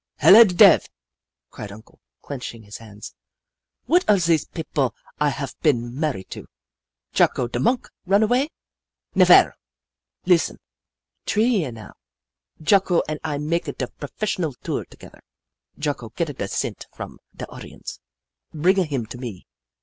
" Hella da dev !" cried Uncle, clenching his hands. " What are zees pipple I haf been mar ried to ! Jocko, da monk, run away ? Nevaire ! Listen. Tree year now, Jocko and I maka da professional tour together. Jocko getta da cent from da audience, bringa him to me.